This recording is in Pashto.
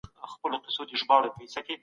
ډیپلوماټیکې ناستي د پرمختګ لپاره وي.